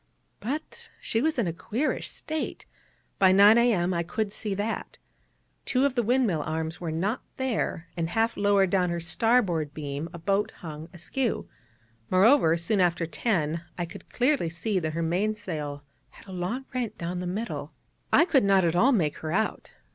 But she was in a queerish state: by 9 A.M. I could see that. Two of the windmill arms were not there, and half lowered down her starboard beam a boat hung askew; moreover, soon after 10 I could clearly see that her main sail had a long rent down the middle. I could not at all make her out.